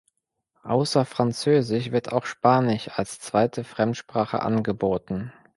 Außer Französisch wird auch Spanisch als zweite Fremdsprache angeboten.